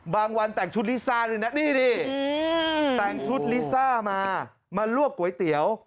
วันแต่งชุดลิซ่าด้วยนะนี่แต่งชุดลิซ่ามามาลวกก๋วยเตี๋ยว